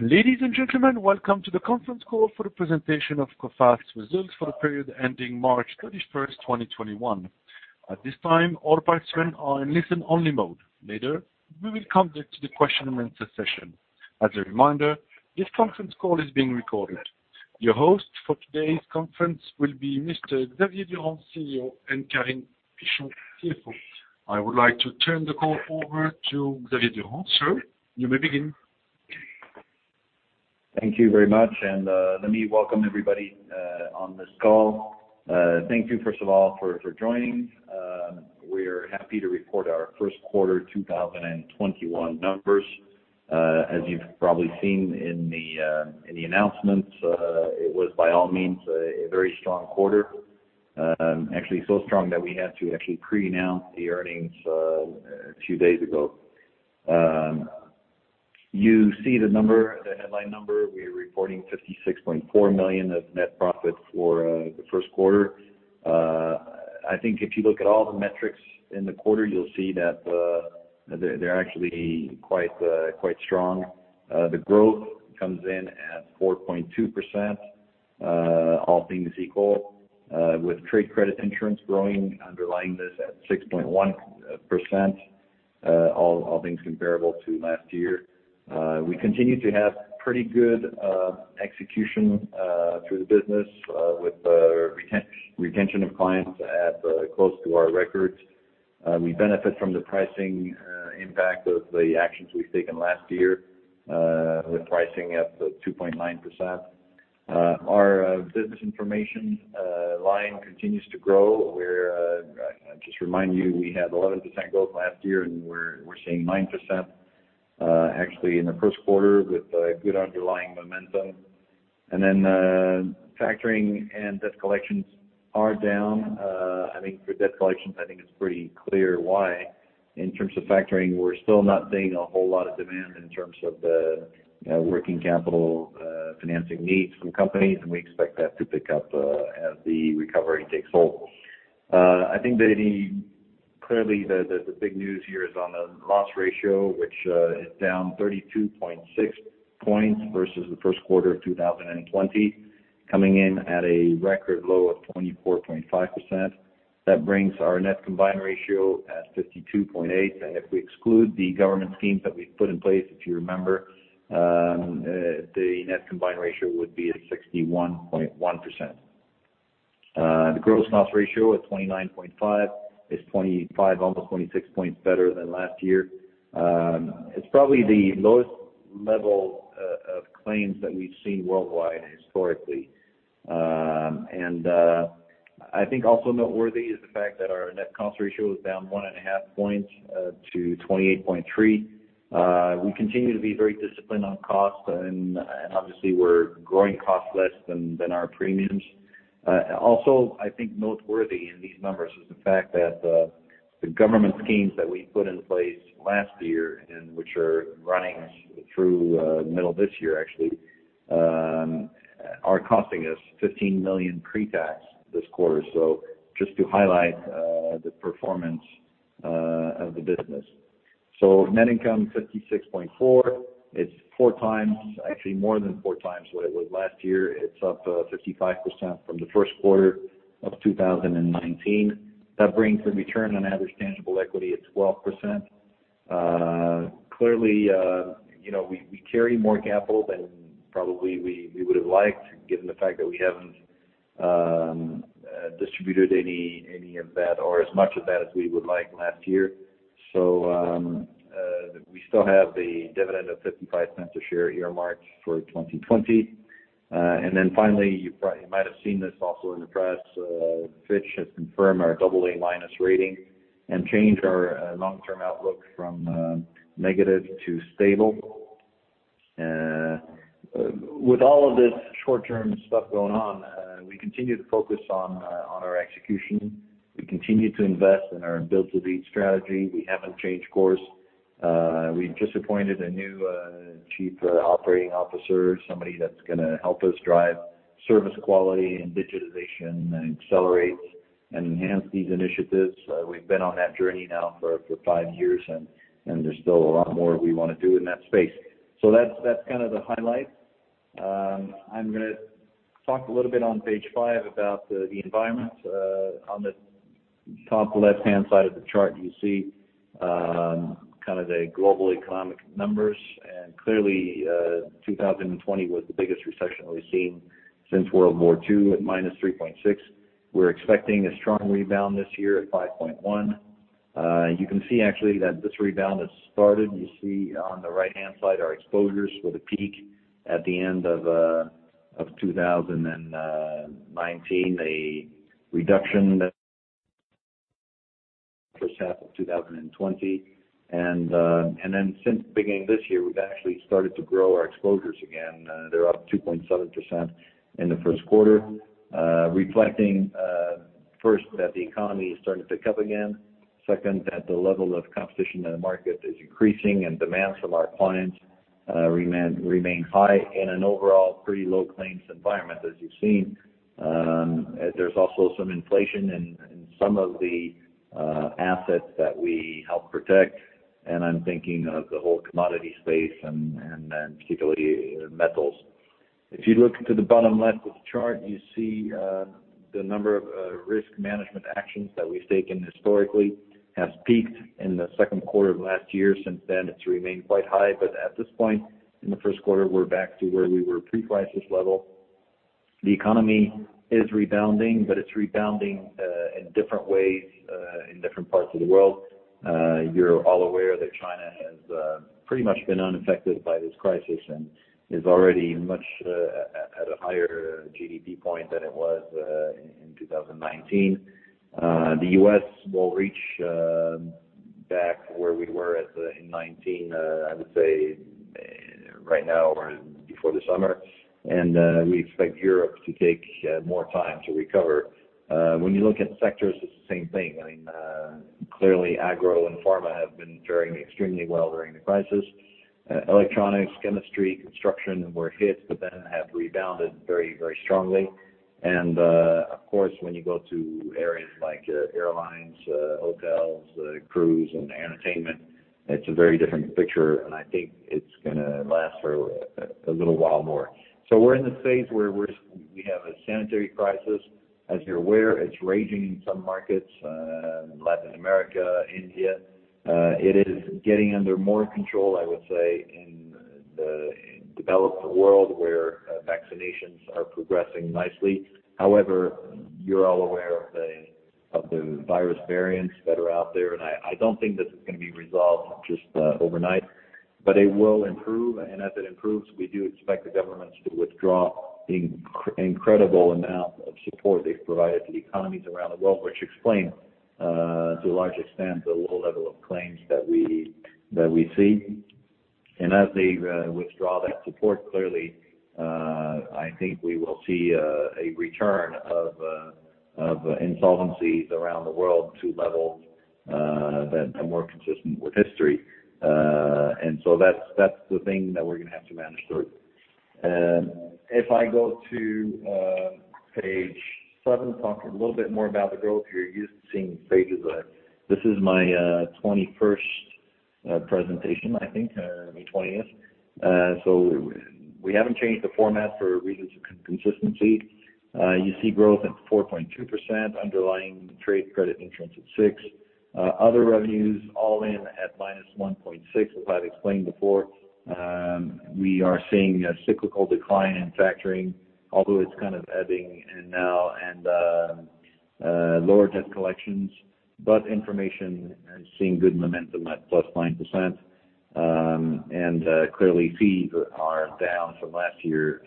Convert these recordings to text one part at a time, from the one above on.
Ladies and gentlemen, welcome to the conference call for the presentation of Coface results for the period ending March 31st, 2021. At this time, all participants are in listen only mode. Later, we will come to the question and answer session. As a reminder, this conference call is being recorded. Your host for today's conference will be Mr. Xavier Durand, Chief Executive Officer, and Carine Pichon, Chief Financial Officer. I would like to turn the call over to Xavier Durand. Sir, you may begin. Thank you very much, and let me welcome everybody on this call. Thank you, first of all, for joining. We're happy to report our Q1 2021 numbers. As you've probably seen in the announcements, it was by all means a very strong quarter. Actually so strong that we had to pre-announce the earnings a few days ago. You see the headline number. We're reporting 56.4 million of net profit for Q1. I think if you look at all the metrics in the quarter, you'll see that they're actually quite strong. The growth comes in at 4.2%, all things equal, with Trade Credit Insurance growing underlying this at 6.1%, all things comparable to last year. We continue to have pretty good execution through the business with retention of clients at close to our records. We benefit from the pricing impact of the actions we've taken last year with pricing up to 2.9%. Our business information line continues to grow, where I just remind you, we had 11% growth last year, and we're seeing 9% actually in Q1 2021 with good underlying momentum. Factoring and debt collections are down. For debt collections, I think it's pretty clear why. In terms of factoring, we're still not seeing a whole lot of demand in terms of the working capital financing needs from companies, and we expect that to pick up as the recovery takes hold. I think that clearly the big news here is on the loss ratio, which is down 32.6 points versus Q1 2020, coming in at a record low of 24.5%. That brings our net combined ratio at 52.8%. If we exclude the government schemes that we've put in place, if you remember, the net combined ratio would be at 61.1%. The gross loss ratio at 29.5% is 25, almost 26 points better than last year. It's probably the lowest level of claims that we've seen worldwide historically. I think also noteworthy is the fact that our net cost ratio is down 1.5 points to 28.3%. We continue to be very disciplined on cost, obviously we're growing cost less than our premiums. Also, I think noteworthy in these numbers is the fact that the government schemes that we put in place last year and which are running through the middle of this year actually, are costing us 15 million pre-tax this quarter. Just to highlight the performance of the business. Net income 56.4. It's four times, actually more than four times what it was last year. It's up 55% from the first quarter of 2019. That brings the return on average tangible equity at 12%. Clearly, we carry more capital than probably we would have liked, given the fact that we haven't distributed any of that or as much of that as we would like last year. We still have the dividend of 0.55 a share year marked for 2020. Finally, you might have seen this also in the press, Fitch has confirmed our AA- rating and changed our long-term outlook from negative to stable. With all of this short-term stuff going on, we continue to focus on our execution. We continue to invest in our Build to Lead strategy. We haven't changed course. We've just appointed a new Chief Operating Officer, somebody that's going to help us drive service quality and digitization and accelerate and enhance these initiatives. We've been on that journey now for five years, and there's still a lot more we want to do in that space. That's kind of the highlight. I'm going to talk a little bit on page five about the environment. On the top left-hand side of the chart, you see the global economic numbers, and clearly, 2020 was the biggest recession we've seen since World War II at -3.6. We're expecting a strong rebound this year at 5.1. You can see actually that this rebound has started. You see on the right-hand side, our exposures with a peak at the end of 2019, a reduction first half of 2020. Then since the beginning of this year, we've actually started to grow our exposures again. They're up 2.7% in the first quarter, reflecting first that the economy is starting to pick up again, second, that the level of competition in the market is increasing and demand from our clients remains high in an overall pretty low claims environment, as you've seen. There's also some inflation in some of the assets that we help protect, and I'm thinking of the whole commodity space and then particularly metals. If you look to the bottom left of the chart, you see the number of risk management actions that we've taken historically has peaked in the second quarter of last year. Since then, it's remained quite high, but at this point in the first quarter, we're back to where we were pre-crisis level. The economy is rebounding, it's rebounding in different ways in different parts of the world. You're all aware that China has pretty much been unaffected by this crisis and is already much at a higher GDP point than it was in 2019. The U.S. will reach back where we were in 2019, I would say right now or before the summer. We expect Europe to take more time to recover. When you look at sectors, it's the same thing. Clearly, agro and pharma have been doing extremely well during the crisis. Electronics, chemistry, construction were hit, but then have rebounded very strongly. Of course, when you go to areas like airlines, hotels, cruise, and entertainment, it's a very different picture, and I think it's going to last for a little while more. We're in the phase where we have a sanitary crisis. As you're aware, it's raging in some markets, Latin America, India. It is getting under more control, I would say, in the developed world where vaccinations are progressing nicely. You're all aware of the virus variants that are out there, and I don't think this is going to be resolved just overnight. It will improve, and as it improves, we do expect the governments to withdraw the incredible amount of support they've provided to economies around the world, which explain to a large extent the low level of claims that we see. As they withdraw that support, clearly, I think we will see a return of insolvencies around the world to levels that are more consistent with history. That's the thing that we're going to have to manage through. If I go to page seven, talk a little bit more about the growth. You're used to seeing these pages. This is my 21st presentation, I think, May 20th. We haven't changed the format for reasons of consistency. You see growth at 4.2%, underlying Trade Credit Insurance at 6%. Other revenues all in at -1.6%. As I've explained before, we are seeing a cyclical decline in factoring, although it's kind of ebbing now, and lower debt collections. Information is seeing good momentum at +9%. Clearly, fees are down from last year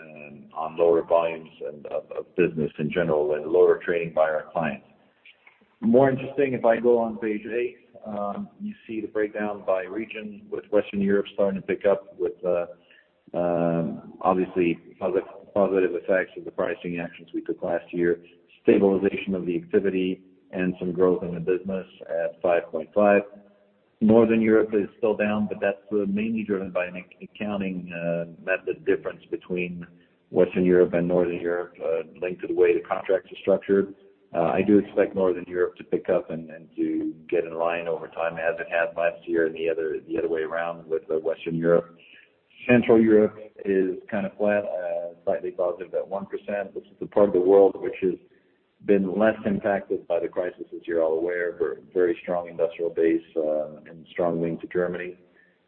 on lower volumes of business in general and lower trading by our clients. More interesting, if I go on page eight, you see the breakdown by region, with Western Europe starting to pick up with obviously positive effects of the pricing actions we took last year, stabilization of the activity, and some growth in the business at 5.5%. Northern Europe is still down, but that's mainly driven by an accounting method difference between Western Europe and Northern Europe linked to the way the contracts are structured. I do expect Northern Europe to pick up and to get in line over time as it had last year, and the other way around with the Western Europe. Central Europe is kind of flat, slightly positive at 1%, which is the part of the world which has been less impacted by the crisis, as you're all aware. Very strong industrial base and strong link to Germany.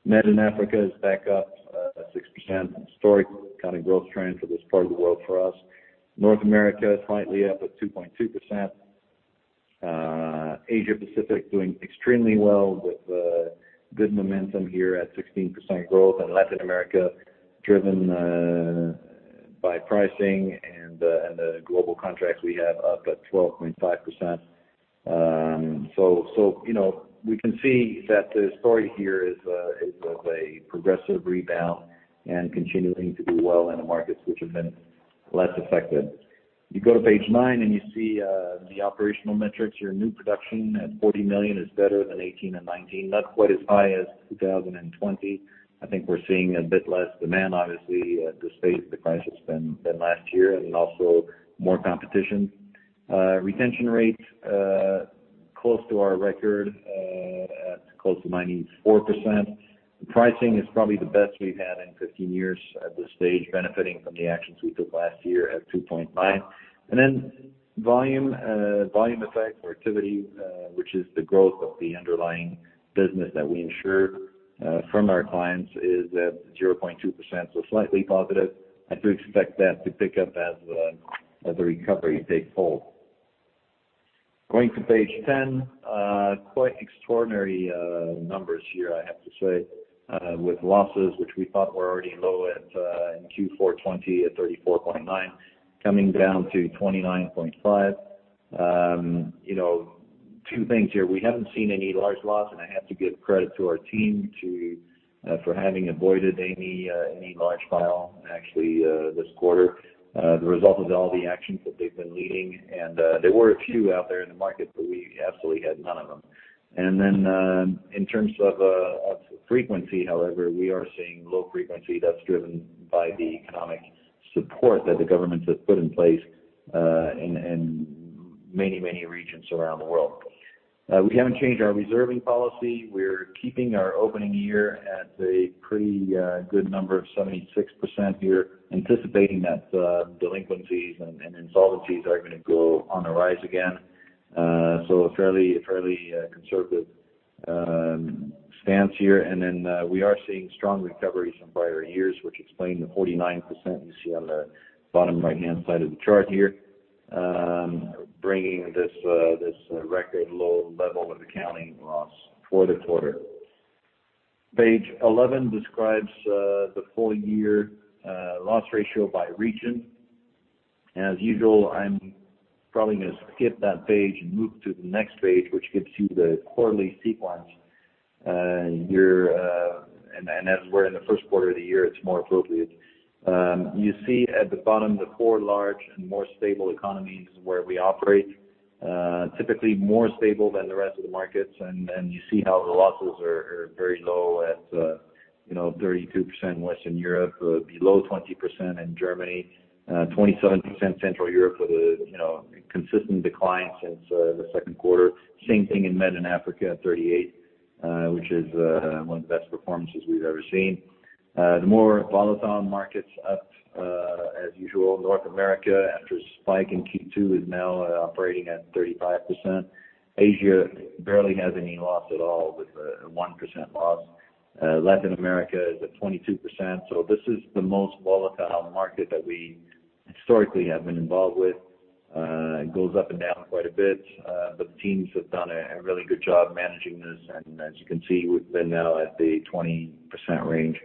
Mediterranean & Africa is back up at 6%, a historic kind of growth trend for this part of the world for us. North America is slightly up at 2.2%. Asia Pacific doing extremely well with good momentum here at 16% growth. Latin America driven by pricing and the global contracts we have up at 12.5%. We can see that the story here is of a progressive rebound and continuing to do well in the markets which have been less affected. You go to page nine and you see the operational metrics. Your new production at 40 million is better than 2018 and 2019, not quite as high as 2020. I think we're seeing a bit less demand, obviously, at this stage of the crisis than last year, and also more competition. Retention rates close to our record at close to 94%. The pricing is probably the best we've had in 15 years at this stage, benefiting from the actions we took last year at 2.5%. Volume effect or activity, which is the growth of the underlying business that we insure from our clients, is at 0.2%, so slightly positive. I do expect that to pick up as the recovery takes hold. Going to page 10, quite extraordinary numbers here, I have to say, with losses which we thought were already low in Q4 '20 at 34.9% coming down to 29.5%. Two things here. We haven't seen any large loss, and I have to give credit to our team for having avoided any large file actually this quarter. The result of all the actions that they've been leading. There were a few out there in the market, but we absolutely had none of them. In terms of frequency, however, we are seeing low frequency that's driven by the economic support that the governments have put in place in many regions around the world. We haven't changed our reserving policy. We're keeping our opening year at a pretty good number of 76% here, anticipating that delinquencies and insolvencies are going to go on the rise again. A fairly conservative stance here. We are seeing strong recoveries from prior years, which explain the 49% you see on the bottom right-hand side of the chart here, bringing this record low level of accounting loss for the quarter. Page 11 describes the full year loss ratio by region. I'm probably going to skip that page and move to the next page, which gives you the quarterly sequence. As we're in the first quarter of the year, it's more appropriate. You see at the bottom, the four large and more stable economies where we operate, typically more stable than the rest of the markets, and you see how the losses are very low at 32% in Western Europe, below 20% in Germany, 27% Central Europe with a consistent decline since the second quarter. Same thing in MENA and Africa at 38%, which is one of the best performances we've ever seen. The more volatile markets up as usual. North America, after a spike in Q2, is now operating at 35%. Asia barely has any loss at all with a 1% loss. Latin America is at 22%. This is the most volatile market that we historically have been involved with. It goes up and down quite a bit. The teams have done a really good job managing this. As you can see, we've been now at the 20% range,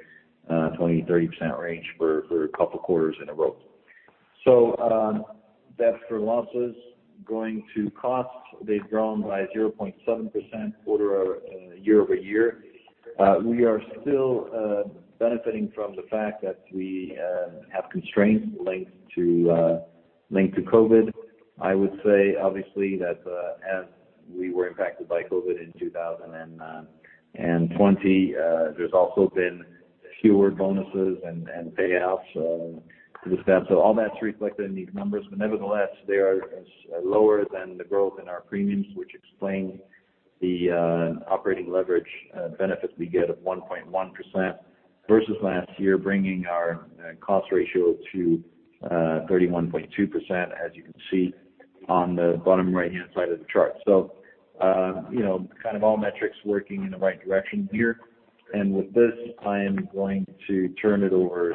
20%-30% range for a couple of quarters in a row. That's for losses. Going to costs, they've grown by 0.7% year-over-year. We are still benefiting from the fact that we have constraints linked to COVID. I would say, obviously, that as we were impacted by COVID in 2020, there's also been fewer bonuses and payouts to the staff. All that's reflected in these numbers. Nevertheless, they are lower than the growth in our premiums, which explain the operating leverage benefits we get of 1.1% versus last year, bringing our cost ratio to 31.2%, as you can see on the bottom right-hand side of the chart. All metrics working in the right direction here. With this, I am going to turn it over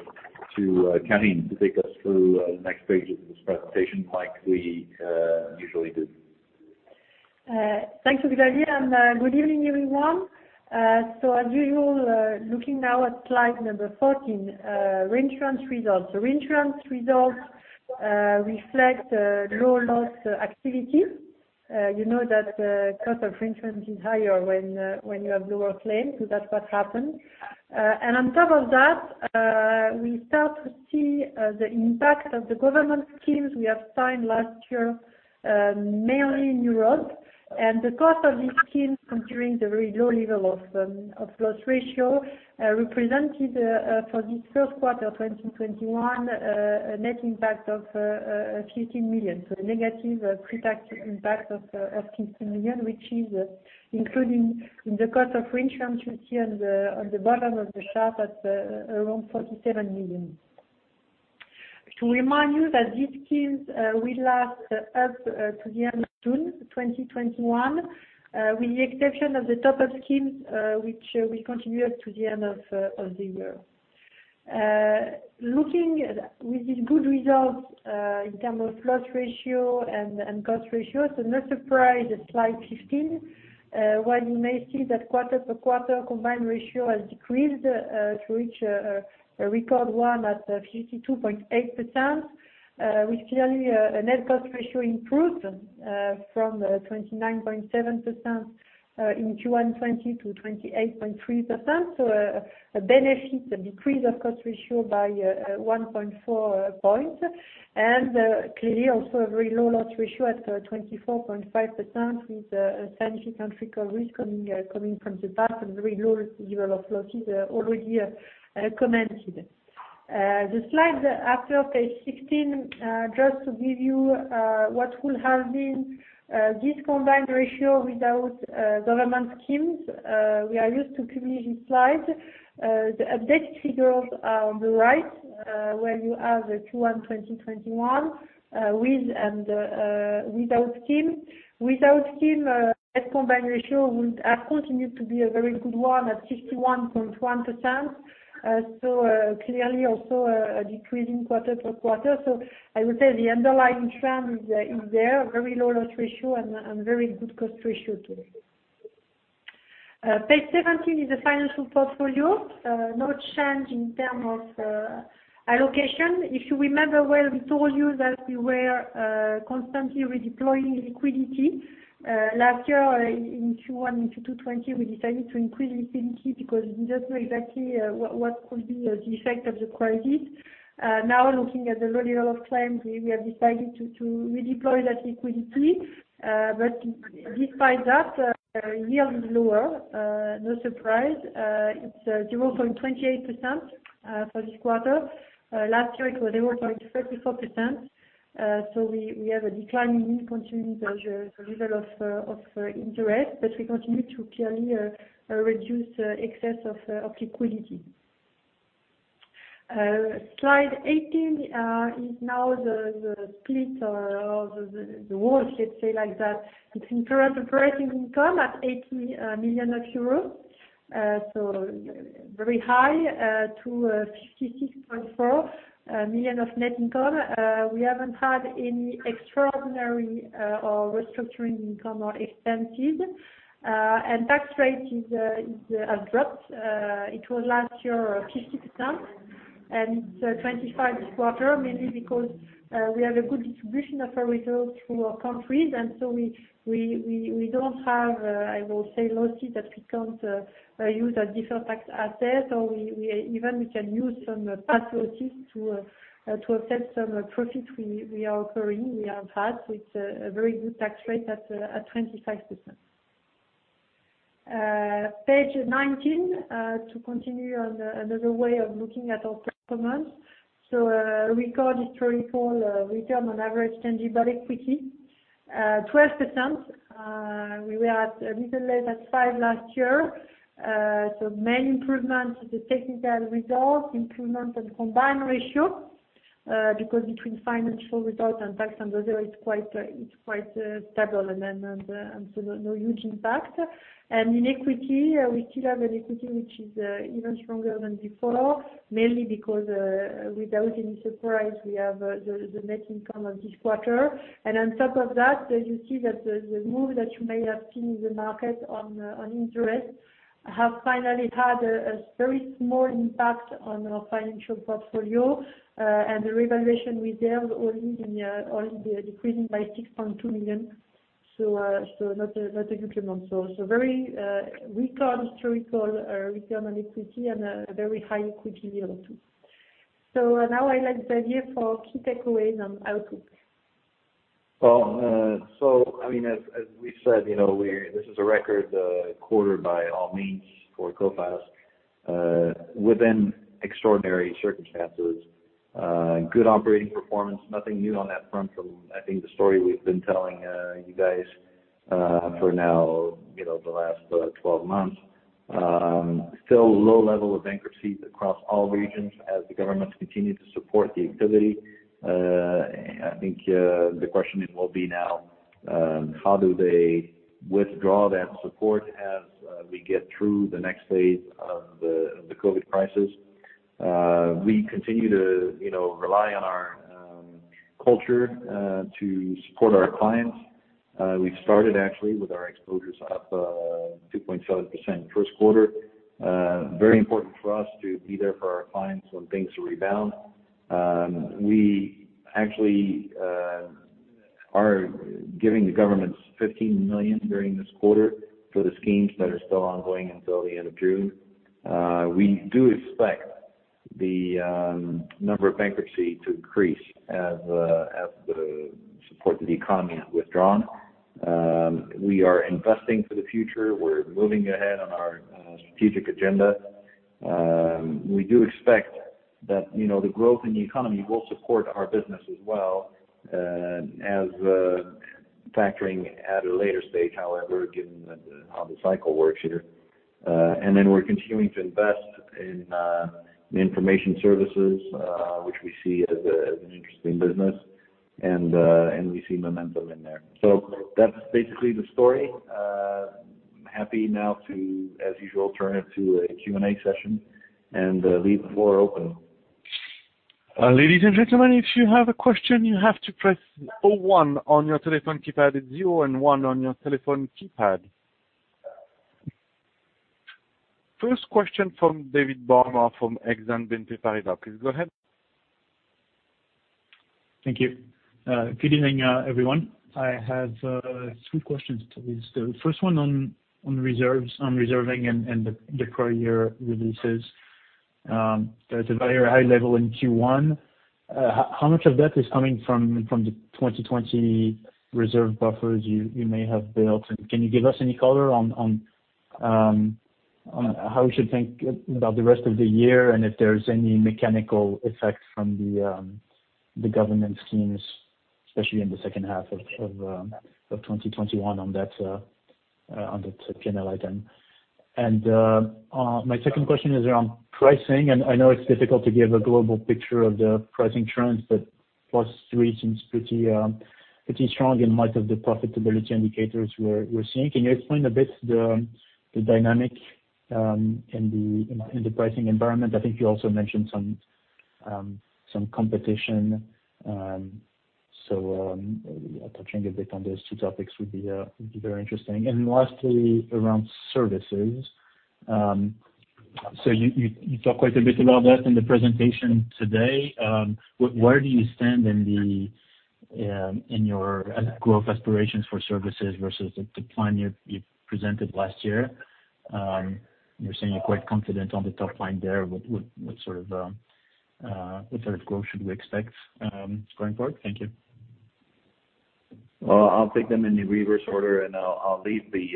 to Carine to take us through the next pages of this presentation like we usually do. Thanks, Xavier, good evening, everyone. As usual, looking now at slide number 14, reinsurance results. Reinsurance results reflect low loss activity. You know that the cost of reinsurance is higher when you have lower claims. That's what happened. On top of that, we start to see the impact of the government schemes we have signed last year, mainly in Europe. The cost of these schemes during the very low level of loss ratio represented for this first quarter 2021, a net impact of 15 million. A negative pre-tax impact of 15 million, which is including in the cost of reinsurance you see on the bottom of the chart at around 47 million. To remind you that these schemes will last up to the end of June 2021, with the exception of the top-up schemes, which will continue up to the end of the year. Looking with these good results in terms of loss ratio and cost ratio, no surprise at slide 15. While you may see that quarter per quarter combined ratio has decreased to reach a record one at 52.8%, we see only a net cost ratio improved from 29.7% in Q1 2020 to 28.3%. A benefit, a decrease of cost ratio by 1.4 points, and clearly also a very low loss ratio at 24.5% with a significant recovery coming from the past and very low level of losses already commented. The slide after, page 16, just to give you what will have been this combined ratio without government schemes. We are used to publishing slides. The updated figures are on the right, where you have the Q1 2021 with and without scheme. Without scheme, net combined ratio would have continued to be a very good one at 51.1%. Clearly also a decrease in quarter-over-quarter. I would say the underlying trend is there. Very low loss ratio and very good cost ratio, too. Page 17 is the financial portfolio. No change in terms of allocation. If you remember well, we told you that we were constantly redeploying liquidity. Last year, in Q1 into 2020, we decided to increase liquidity because we didn't know exactly what could be the effect of the crisis. Now, looking at the low level of claims, we have decided to redeploy that liquidity. Despite that, our yield is lower. No surprise. It's 0.28% for this quarter. Last year, it was 0.34%. We have a decline in continuing the level of interest, but we continue to clearly reduce excess of liquidity. Slide 18 is now the split or the worth, let's say it like that, between current operating income at 80 million euro. Very high to 56.4 million of net income. We haven't had any extraordinary or restructuring income or expenses. Tax rate has dropped. It was last year, 50%, it is 25% this quarter, mainly because we have a good distribution of our results through our countries. We don't have, I will say, losses that we can't use a deferred tax asset, or even we can use some past losses to offset some profit we have had with a very good tax rate at 25%. Page 19, to continue on another way of looking at our performance. Record historical return on average tangible equity, 12%. We were at a little less than five last year. Main improvement is the technical results, improvement on combined ratio, because between financial results and tax and other, it's quite stable and so no huge impact. In equity, we still have an equity which is even stronger than before, mainly because, without any surprise, we have the net income of this quarter. On top of that, you see that the move that you may have seen in the market on interest have finally had a very small impact on our financial portfolio. The revaluation reserve only decreasing by 6.2 million. Not a huge amount. Very record historical return on equity and a very high equity yield too. Now I let Xavier for key takeaways on outlook. As we said, this is a record quarter by all means for Coface. Within extraordinary circumstances, good operating performance, nothing new on that front from, I think, the story we've been telling you guys for now the last 12 months. Still low level of bankruptcy across all regions as the governments continue to support the activity. I think the question it will be now, how do they withdraw that support as we get through the next phase of the COVID crisis? We continue to rely on our culture to support our clients. We've started actually with our exposures up 2.7% first quarter. Very important for us to be there for our clients when things rebound. We actually are giving the governments 15 million during this quarter for the schemes that are still ongoing until the end of June. We do expect the number of bankruptcies to increase as the support to the economy is withdrawn. We are investing for the future. We're moving ahead on our strategic agenda. We do expect that the growth in the economy will support our business as well as factoring at a later stage, however, given how the cycle works here. We're continuing to invest in information services, which we see as an interesting business, and we see momentum in there. That's basically the story. I'm happy now to, as usual, turn it to a Q&A session and leave the floor open. Ladies and gentlemen, if you have a question, you have to press zero one on your telephone keypad. It's zero and one on your telephone keypad. First question from David Bauma from Exane BNP Paribas. Please go ahead. Thank you. Good evening, everyone. I have two questions, please. The first one on reserves, on reserving and the prior year releases. There is a very high level in Q1. How much of that is coming from the 2020 reserve buffers you may have built? Can you give us any color on how we should think about the rest of the year and if there is any mechanical effect from the government schemes, especially in the second half of 2021 on that P&L item? My second question is around pricing, and I know it is difficult to give a global picture of the pricing trends, but plus three seems pretty strong in much of the profitability indicators we are seeing. Can you explain a bit the dynamics in the pricing environment? I think you also mentioned some competition. Touching a bit on those two topics would be very interesting. Lastly, around services. You talked quite a bit about that in the presentation today. Where do you stand in your growth aspirations for services versus the plan you presented last year? You're saying you're quite confident on the top line there. What sort of growth should we expect going forward? Thank you. Well, I'll take them in the reverse order and I'll leave the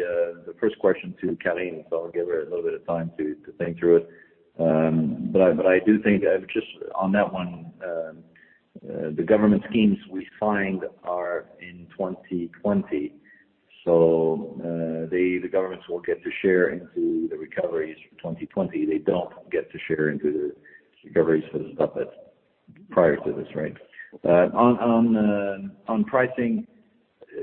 first question to Carine, so I'll give her a little bit of time to think through it. I do think, just on that one, the government schemes we find are in 2020. The governments will get to share into the recoveries for 2020. They don't get to share into the recoveries for the stuff that's prior to this, right? On pricing,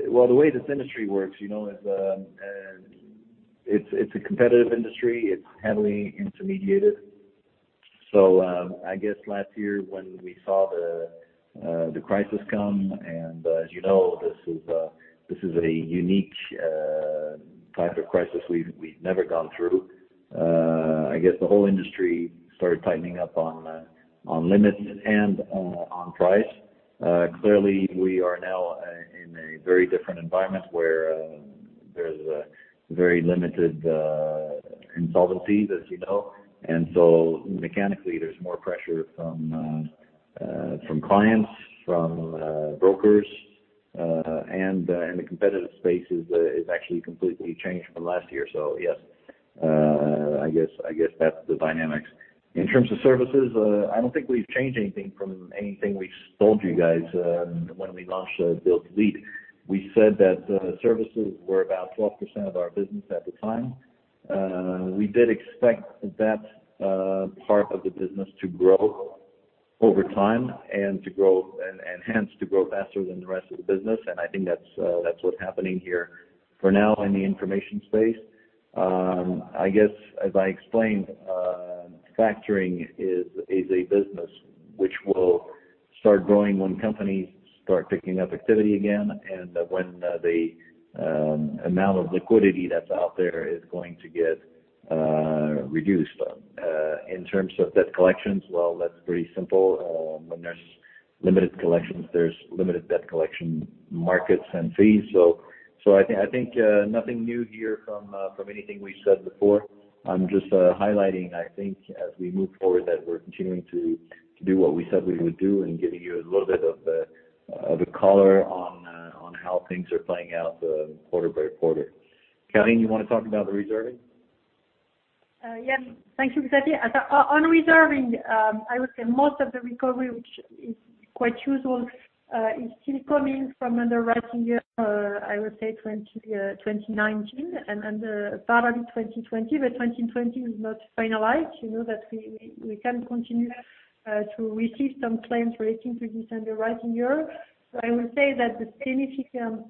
well, the way this industry works, it's a competitive industry. It's heavily intermediated. I guess last year when we saw the crisis come, and as you know, this is a unique type of crisis we've never gone through. I guess the whole industry started tightening up on limits and on price. Clearly, we are now in a very different environment where there's very limited insolvency, as you know. Mechanically, there's more pressure from clients, from brokers, and the competitive space is actually completely changed from last year. Yes, I guess that's the dynamics. In terms of services, I don't think we've changed anything from anything we've told you guys when we launched Build to Lead. We said that services were about 12% of our business at the time. We did expect that part of the business to grow over time and hence to grow faster than the rest of the business. I think that's what's happening here for now in the information space. I guess as I explained, factoring is a business which will start growing when companies start picking up activity again and when the amount of liquidity that's out there is going to get reduced. In terms of debt collections, well, that's pretty simple. When there's limited collections, there's limited debt collection markets and fees. I think nothing new here from anything we've said before. I'm just highlighting, I think, as we move forward, that we're continuing to do what we said we would do and giving you a little bit of the color on how things are playing out quarter by quarter. Carine, you want to talk about the reserving? Yes. Thank you, Xavier. On reserving, I would say most of the recovery, which is quite usual, is still coming from underwriting year, I would say 2019 and part of 2020, but 2020 is not finalized. You know that we can continue to receive some claims relating to this underwriting year. I would say that the significant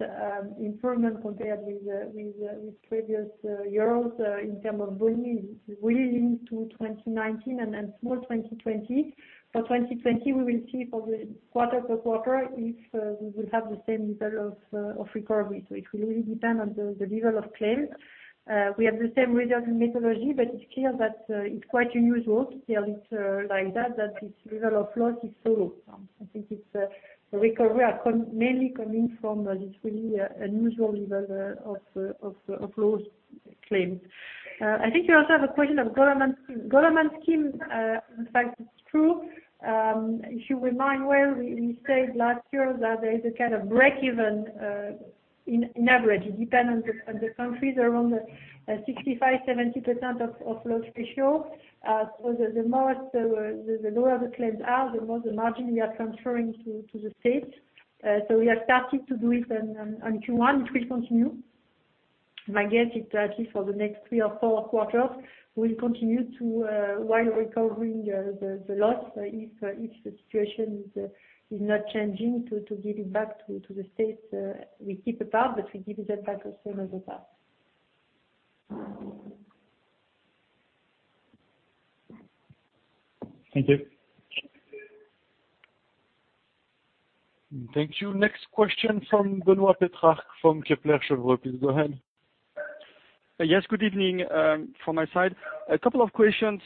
improvement compared with previous years in terms of volume is really linked to 2019 and then small 2020. For 2020, we will see for the quarter per quarter if we will have the same level of recovery. It will really depend on the level of claims. We have the same reserve methodology, but it's clear that it's quite unusual to have it like that this level of loss is so low. I think the recovery are mainly coming from this really unusual level of loss claims. I think you also have a question of government scheme. Government scheme, in fact, it's true. If you remind, where we said last year that there is a kind of breakeven in average. It depends on the countries, around 65%-70% of loss ratio. The lower the claims are, the more the margin we are transferring to the states. We have started to do it on Q1, it will continue. My guess is at least for the next three or four quarters, we'll continue to, while recovering the loss if the situation is not changing, to give it back to the states. We keep a part, but we give it back as soon as we can. Thank you. Thank you. Next question from Benoît Pétrarque from Kepler Cheuvreux. Please go ahead. Yes, good evening from my side. A couple of questions.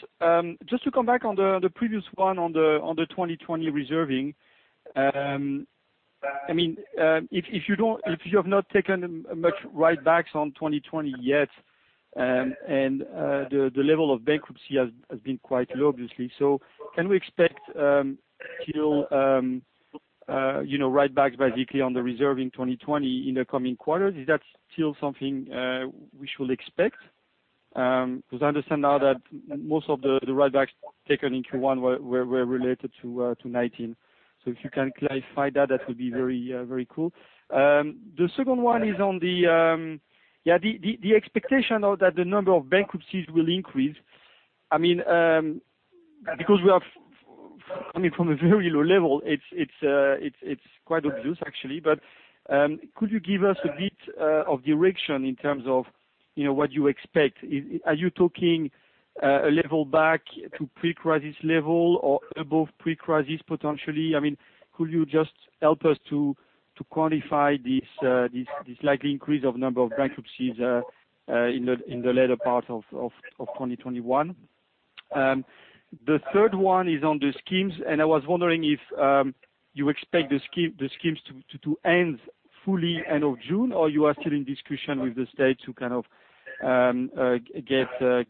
Just to come back on the previous one on the 2020 reserving. If you have not taken much write-backs on 2020 yet, and the level of bankruptcy has been quite low, obviously. Can we expect write-backs basically on the reserve in 2020 in the coming quarters? Is that still something we should expect? I understand now that most of the write-backs taken in Q1 were related to 2019. If you can clarify that would be very cool. The second one is on the expectation that the number of bankruptcies will increase. From a very low level, it's quite obvious actually. Could you give us a bit of direction in terms of what you expect? Are you talking a level back to pre-crisis level or above pre-crisis potentially? Could you just help us to quantify this likely increase of number of bankruptcies in the latter part of 2021? The third one is on the schemes, and I was wondering if you expect the schemes to end fully end of June, or you are still in discussion with the state to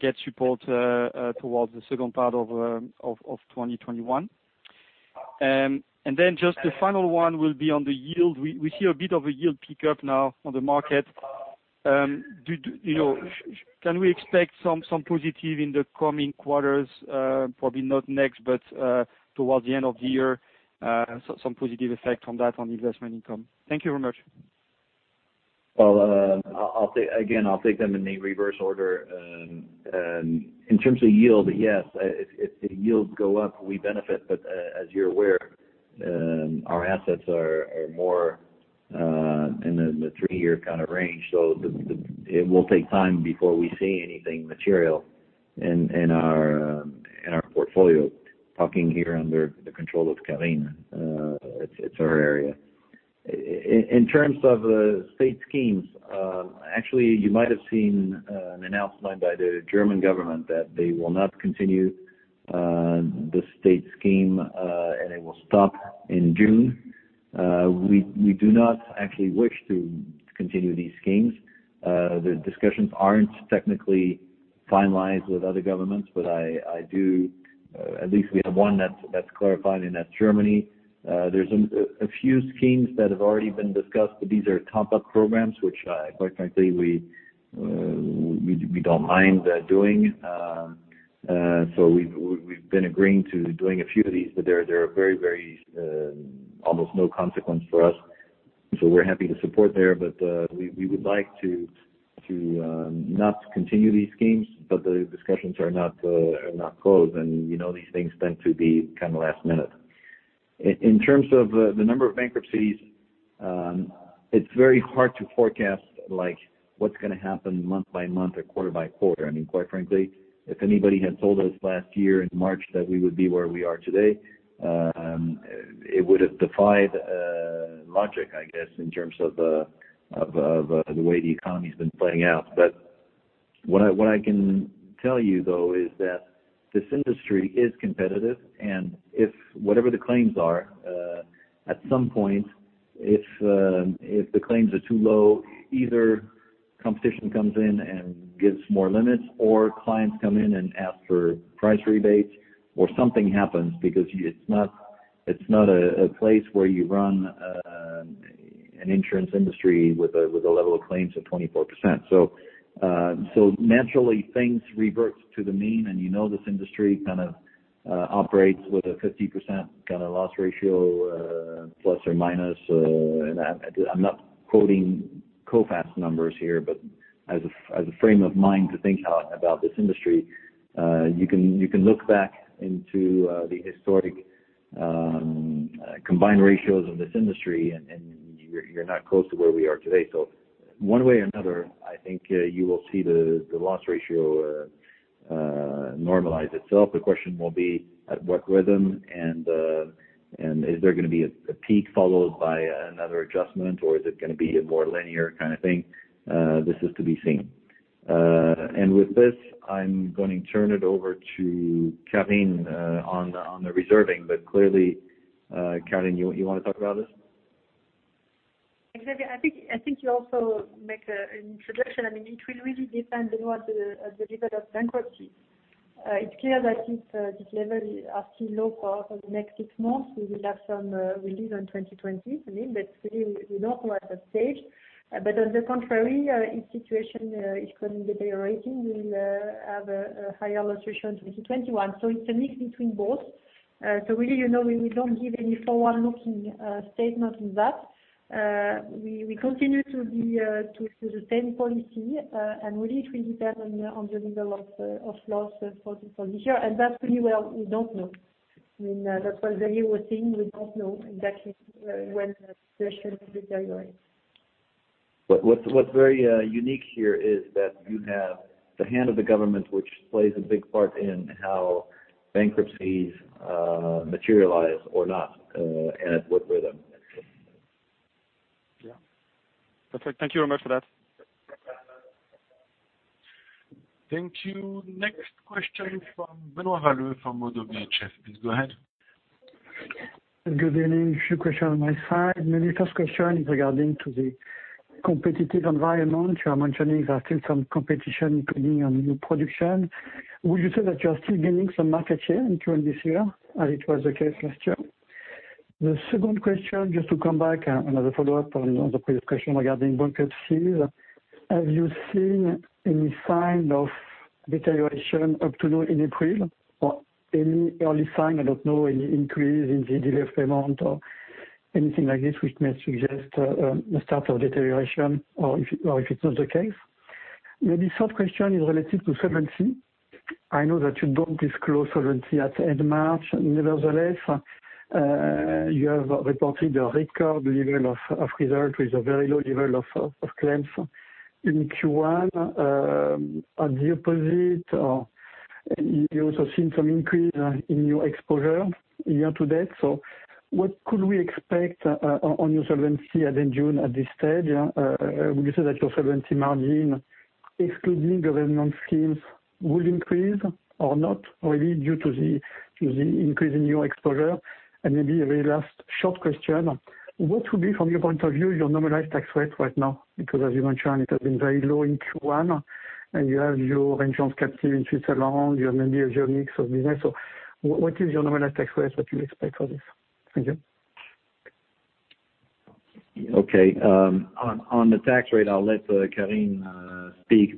get support towards the second part of 2021. Just the final one will be on the yield. We see a bit of a yield pickup now on the market. Can we expect some positive in the coming quarters? Probably not next, but towards the end of the year, some positive effect on that on investment income. Thank you very much. Well, again, I'll take them in the reverse order. In terms of yield, yes. If the yields go up, we benefit. As you're aware, our assets are more in the three-year range. It will take time before we see anything material in our portfolio. Talking here under the control of Carine. It's her area. In terms of state schemes, actually, you might have seen an announcement by the German government that they will not continue the state scheme, and it will stop in June. We do not actually wish to continue these schemes. The discussions aren't technically finalized with other governments, but at least we have one that's clarified, and that's Germany. There's a few schemes that have already been discussed, but these are top-up programs, which, quite frankly, we don't mind doing. We've been agreeing to doing a few of these, but they're very almost no consequence for us. We're happy to support there, but we would like to not continue these schemes, but the discussions are not closed. These things tend to be last minute. In terms of the number of bankruptcies, it's very hard to forecast what's going to happen month by month or quarter by quarter. Quite frankly, if anybody had told us last year in March that we would be where we are today, it would've defied logic, I guess, in terms of the way the economy's been playing out. What I can tell you, though, is that this industry is competitive, and whatever the claims are, at some point, if the claims are too low, either competition comes in and gives more limits or clients come in and ask for price rebates or something happens because it's not a place where you run an insurance industry with a level of claims of 24%. Naturally, things revert to the mean, and you know this industry kind of operates with a 50% kind of loss ratio, plus or minus. I'm not quoting Coface numbers here, but as a frame of mind to think about this industry, you can look back into the historic combined ratios of this industry, and you're not close to where we are today. One way or another, I think you will see the loss ratio normalize itself. The question will be at what rhythm, and is there going to be a peak followed by another adjustment, or is it going to be a more linear kind of thing? This is to be seen. With this, I'm going to turn it over to Carine on the reserving. Clearly, Carine, you want to talk about this? Exactly. I think you also make an introduction. It will really depend on the level of bankruptcy. It's clear that if these levels are still low for the next six months, we will have some relief on 2020. I mean, really, we don't know at that stage. On the contrary, if situation is going to be deteriorating, we will have a higher loss ratio in 2021. It's a mix between both. Really, we don't give any forward-looking statement on that. We continue to the same policy, and really it will depend on the level of loss for this year. That pretty well, we don't know. I mean, that was the whole thing. We don't know exactly when the situation will deteriorate. What's very unique here is that you have the hand of the government, which plays a big part in how bankruptcies materialize or not, and at what rhythm. Yeah. Perfect. Thank you very much for that. Thank you. Next question from Benoit Valleaux from ODDO BHF. Please go ahead. Good evening. Two question on my side. Maybe first question is regarding to the competitive environment. You are mentioning there are still some competition, including on new production. Would you say that you are still gaining some market share in current this year as it was the case last year? The second question, just to come back, another follow-up on the previous question regarding bankruptcies. Have you seen any sign of deterioration up to now in April or any early sign, I don't know, any increase in the delay of payment or anything like this, which may suggest a start of deterioration or if it's not the case? Maybe sub-question is relative to solvency. I know that you don't disclose solvency at end March. Nevertheless, you have reported a record level of reserve with a very low level of claims in Q1. At the opposite, you also seen some increase in your exposure year to date. What could we expect on your solvency as in June at this stage? Would you say that your solvency margin, excluding government schemes, will increase or not, really due to the increase in your exposure? Maybe a very last short question, what would be, from your point of view, your normalized tax rate right now? Because as you mentioned, it has been very low in Q1, and you have your insurance captive in Switzerland, you have maybe your mix of business. What is your normalized tax rate? What you expect for this? Thank you. Okay. On the tax rate, I will let Carine speak.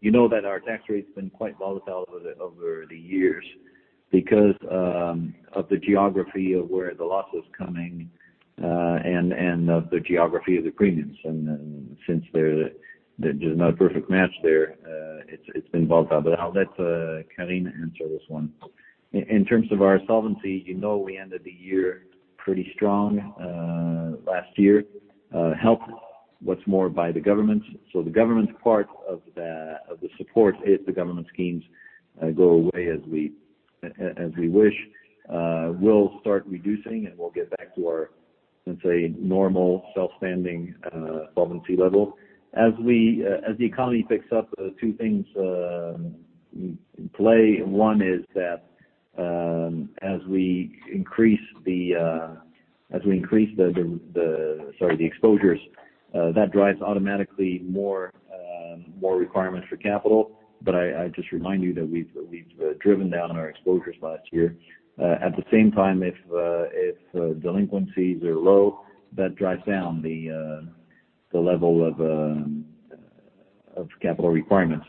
You know that our tax rate has been quite volatile over the years because of the geography of where the loss is coming and of the geography of the premiums. Since there is not a perfect match there, it has been volatile. I will let Carine answer this one. In terms of our solvency, you know we ended the year pretty strong last year, helped what is more by the government. The government part of the support, if the government schemes go away as we wish, will start reducing, and we will get back to our, let's say, normal self-standing solvency level. As the economy picks up, two things play. One is that as we increase the exposures, that drives automatically more requirements for capital. I just remind you that we have driven down our exposures last year. At the same time, if delinquencies are low, that drives down the level of capital requirements.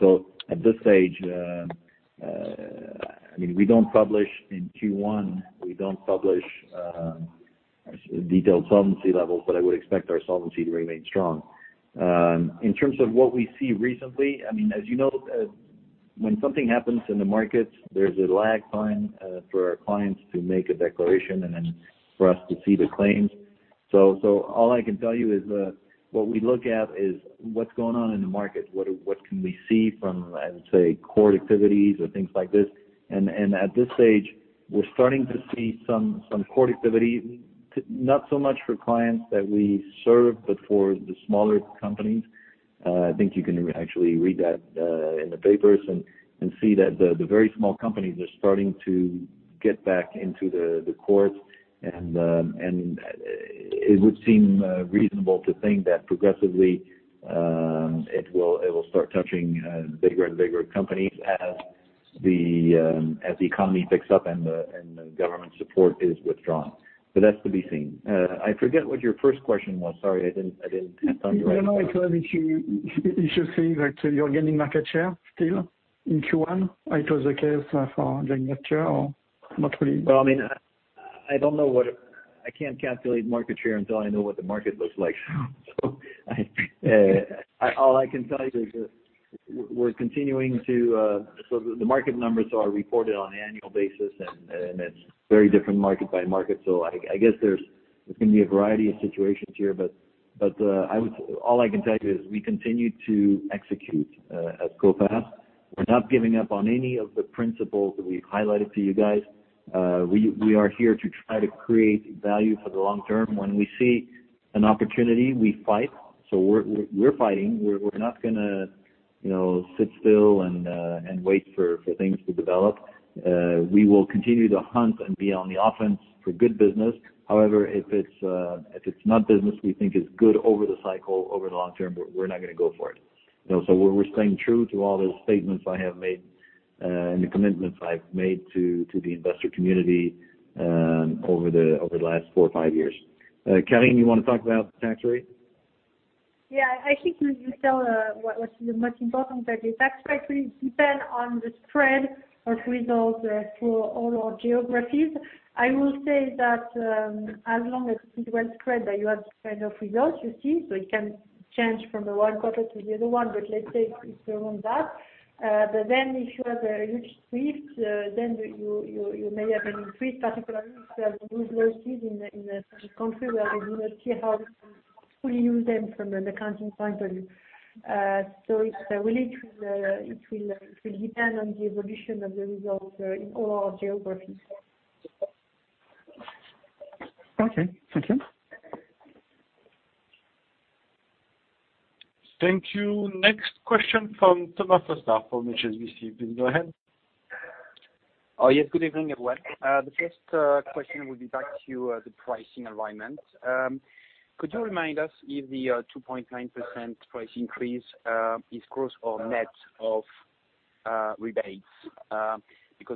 At this stage, we don't publish in Q1, we don't publish detailed solvency levels, but I would expect our solvency to remain strong. In terms of what we see recently, as you know, when something happens in the market, there's a lag time for our clients to make a declaration and then for us to see the claims. All I can tell you is, what we look at is what's going on in the market, what can we see from, let's say, court activities or things like this. At this stage, we're starting to see some court activity, not so much for clients that we serve, but for the smaller companies. I think you can actually read that in the papers and see that the very small companies are starting to get back into the courts. It would seem reasonable to think that progressively, it will start touching bigger and bigger companies as the economy picks up and the government support is withdrawn. That's to be seen. I forget what your first question was. Sorry, I didn't write it down. I don't know if you should say that you're gaining market share still in Q1. It was the case for January, or not really? Well, I can't calculate market share until I know what the market looks like. All I can tell you is we're continuing. The market numbers are reported on an annual basis, and it's very different market by market. I guess there's going to be a variety of situations here, but all I can tell you is we continue to execute at Coface. We're not giving up on any of the principles that we've highlighted to you guys. We are here to try to create value for the long term. When we see an opportunity, we fight. We're fighting. We're not going to sit still and wait for things to develop. We will continue to hunt and be on the offense for good business. However, if it's not business we think is good over the cycle, over the long term, we're not going to go for it. We're staying true to all the statements I have made and the commitments I've made to the investor community over the last four or five years. Carine, you want to talk about tax rate? Yeah. I think you tell what is the most important, that the tax rate will depend on the spread of results for all our geographies. I will say that as long as it's well spread, you have the kind of results you see. It can change from one quarter to the other one, but let's say it's around that. If you have a huge shift, then you may have an increase, particularly if you have gross losses in a country where we do not see how we can fully use them from an accounting point of view. It will depend on the evolution of the results in all our geographies. Okay. Thank you. Thank you. Next question from Thomas Fossard from HSBC. Please go ahead. Oh, yes. Good evening, everyone. The first question will be back to you, the pricing environment. Could you remind us if the 2.9% price increase is gross or net of rebates?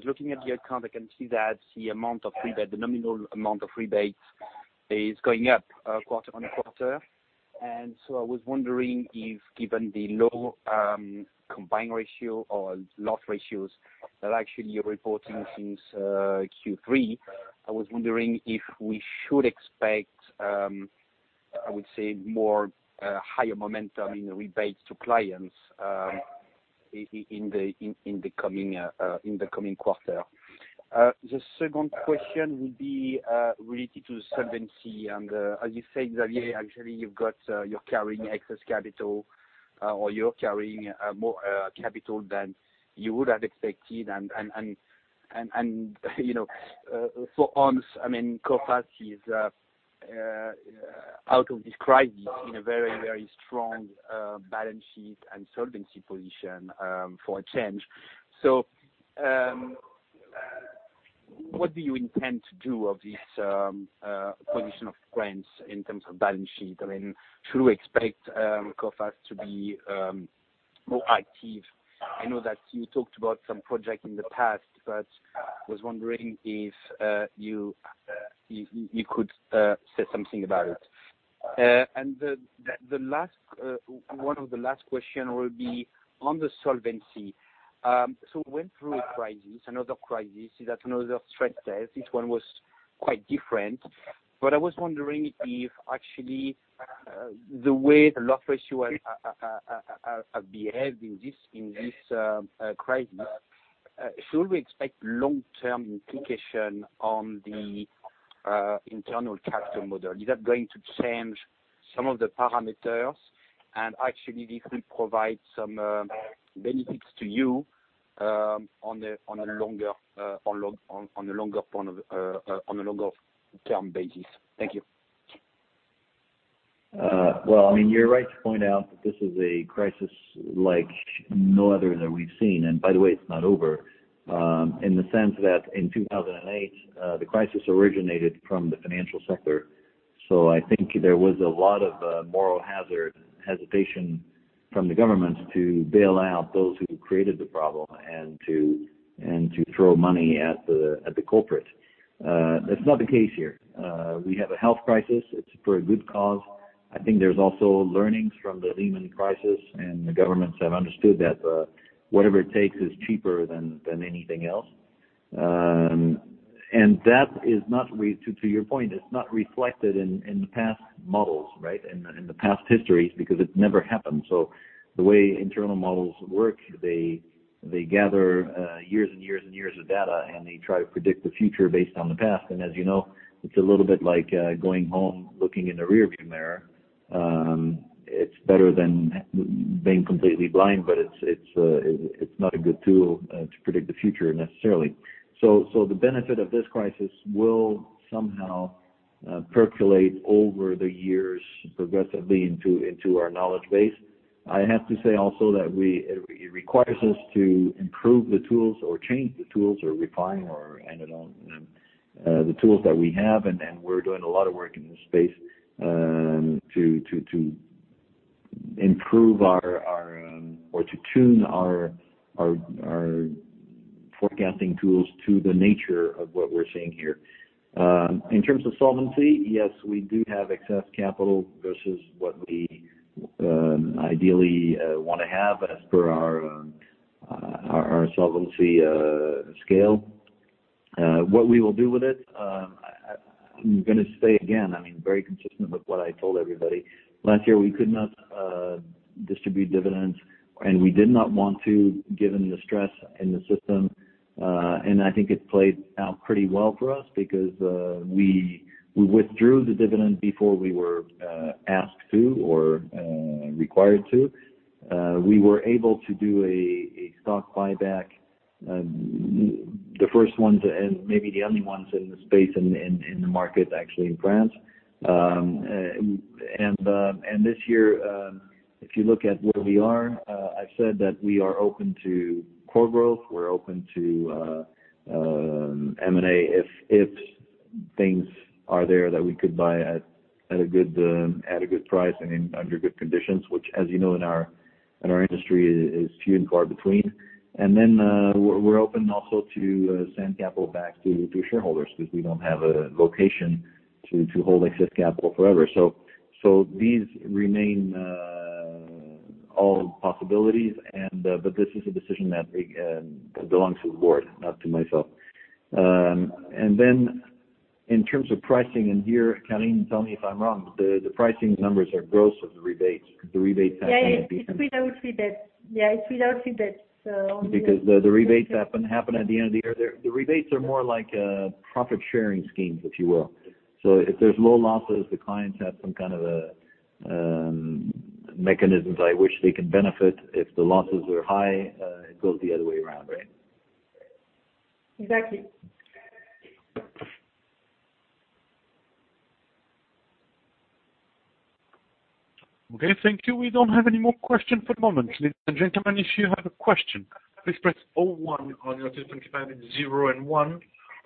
Looking at the account, I can see that the nominal amount of rebates is going up quarter on quarter. I was wondering if, given the low combined ratio or loss ratios that actually you're reporting since Q3, I was wondering if we should expect, I would say, more higher momentum in rebates to clients in the coming quarter. The second question would be related to solvency, and as you said, Xavier, actually, you're carrying excess capital, or you're carrying more capital than you would have expected. For once, Coface is out of this crisis in a very strong balance sheet and solvency position for a change. What do you intend to do of this position of grants in terms of balance sheet? Should we expect Coface to be more active? I know that you talked about some project in the past. I was wondering if you could say something about it. One of the last question will be on the solvency. We went through a crisis, another crisis, that another stress test. This one was quite different. I was wondering if actually the way the loss ratio have behaved in this crisis, should we expect long-term implication on the internal capital model? Is that going to change some of the parameters? Actually, this will provide some benefits to you on a longer term basis? Thank you. Well, you're right to point out that this is a crisis like no other that we've seen. By the way, it's not over, in the sense that in 2008, the crisis originated from the financial sector. I think there was a lot of moral hazard hesitation from the governments to bail out those who created the problem and to throw money at the culprit. That's not the case here. We have a health crisis. It's for a good cause. I think there's also learnings from the Lehman crisis, and the governments have understood that whatever it takes is cheaper than anything else. To your point, it's not reflected in the past models, right? In the past histories, because it never happened. The way internal models work, they gather years and years of data, and they try to predict the future based on the past. As you know, it's a little bit like going home looking in the rearview mirror. It's better than being completely blind, but it's not a good tool to predict the future necessarily. The benefit of this crisis will somehow percolate over the years progressively into our knowledge base. I have to say also that it requires us to improve the tools or change the tools or refine the tools that we have. We're doing a lot of work in this space to improve or to tune our forecasting tools to the nature of what we're seeing here. In terms of solvency, yes, we do have excess capital versus what we ideally want to have as per our solvency scale. What we will do with it, I'm going to say again, very consistent with what I told everybody. Last year, we could not distribute dividends, and we did not want to given the stress in the system. I think it played out pretty well for us because we withdrew the dividend before we were asked to or required to. We were able to do a stock buyback, the first ones, and maybe the only ones in the space, in the market, actually, in France. This year, if you look at where we are, I've said that we are open to core growth. We're open to M&A if things are there that we could buy at a good price and under good conditions, which, as you know, in our industry, is few and far between. We're open also to send capital back to shareholders because we don't have a vocation to hold excess capital forever. These remain all possibilities but this is a decision that belongs to the board, not to myself. In terms of pricing, and here, Carine, tell me if I'm wrong, the pricing numbers are gross of the rebates. The rebates happen at the end. Yeah, it's without rebates. The rebates happen at the end of the year. The rebates are more like profit-sharing schemes, if you will. If there's low losses, the clients have some kind of a mechanism by which they can benefit. If the losses are high, it goes the other way around, right? Exactly. Okay, thank you. We don't have any more question for the moment. Ladies and gentlemen, if you have a question, please press 01 on your telephone keypad. It's zero and one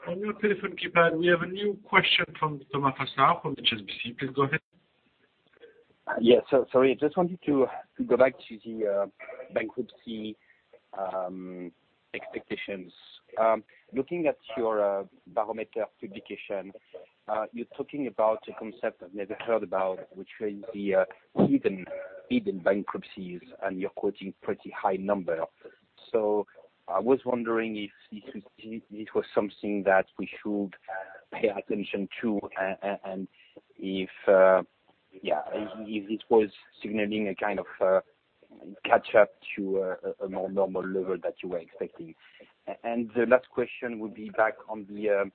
on your telephone keypad. We have a new question from Thomas Fossard from HSBC. Please go ahead. Sorry. I just wanted to go back to the bankruptcy expectations. Looking at your barometer publication, you're talking about a concept I've never heard about, which is the hidden bankruptcies, and you're quoting pretty high number. I was wondering if this was something that we should pay attention to, and if this was signaling a kind of catch up to a more normal level that you were expecting. The last question would be back on the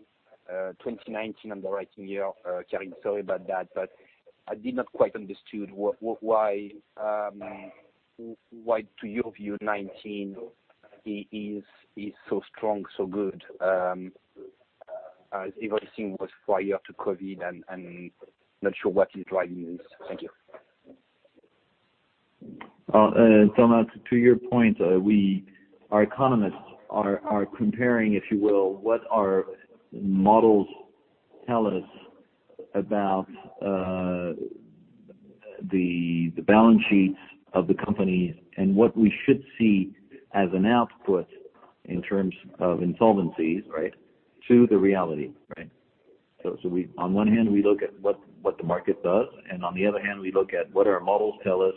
2019 underwriting year. Carine, sorry about that, I did not quite understood why to your view 2019 is so strong, so good. As if everything was prior to COVID. Not sure what is driving this. Thank you. Thomas, to your point, our economists are comparing, if you will, what our models tell us about the balance sheets of the company and what we should see as an output in terms of insolvencies to the reality. On one hand, we look at what the market does, and on the other hand, we look at what our models tell us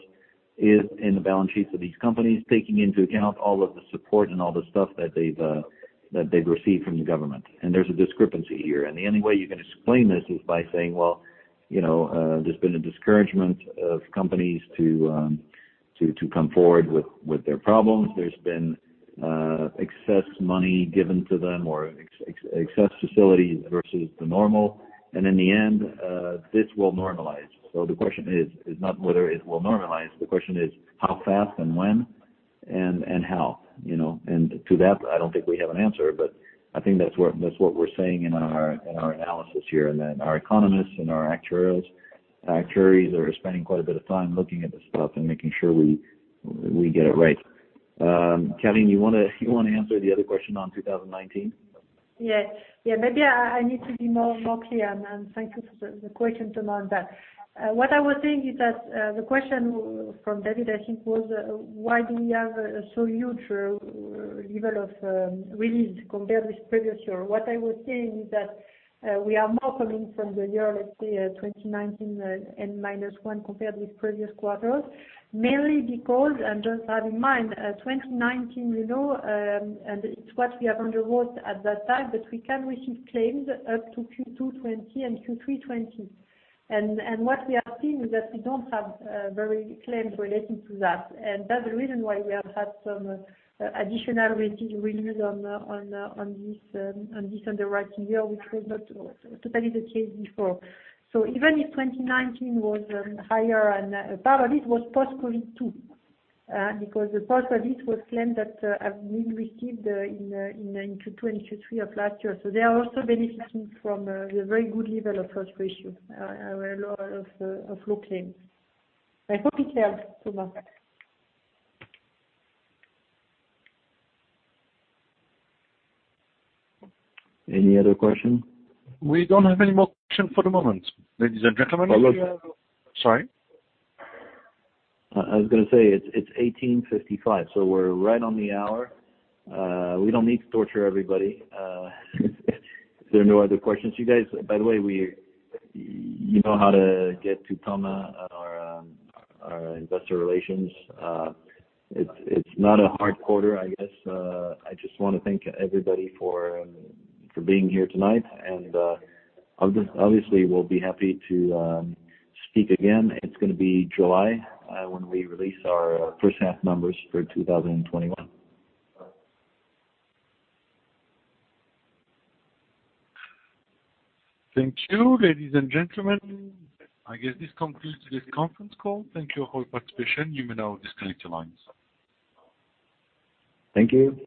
is in the balance sheets of these companies, taking into account all of the support and all the stuff that they've received from the government. There's a discrepancy here. The only way you can explain this is by saying, well, there's been a discouragement of companies to come forward with their problems. There's been excess money given to them, or excess facilities versus the normal. In the end, this will normalize. The question is not whether it will normalize. The question is how fast and when, and how. To that, I don't think we have an answer. I think that's what we're saying in our analysis here, and that our economists and our actuaries are spending quite a bit of time looking at this stuff and making sure we get it right. Carine, you want to answer the other question on 2019? Yeah. Maybe I need to be more clear. Thank you for the question, Thomas. What I was saying is that, the question from David, I think was why do we have a so huge level of release compared with previous year? What I was saying is that we are more coming from the year, let's say 2019, N -1 compared with previous quarters. Mainly because, just have in mind, 2019, it's what we have underwrote at that time, we can receive claims up to Q2 2020 and Q3 2020. What we have seen is that we don't have claims relating to that. That's the reason why we have had some additional release on this underwriting year, which was not totally the case before. Even if 2019 was higher, part of it was post-COVID too. The most of it was claimed that have been received in Q2, Q3 of last year. They are also benefiting from the very good level of loss ratio, a lot of low claims. I hope it helps, Thomas. Any other question? We don't have any more question for the moment, ladies and gentlemen. Follow-up? Sorry. I was going to say, it's 18:55 P.M., so we're right on the hour. We don't need to torture everybody. If there are no other questions, you guys, by the way, you know how to get to Thomas at our investor relations. It's not a hard quarter, I guess. I just want to thank everybody for being here tonight. Obviously, we'll be happy to speak again. It's going to be July, when we release our first half numbers for 2021. Thank you. Ladies and gentlemen, I guess this concludes this conference call. Thank you for your participation. You may now disconnect your lines. Thank you.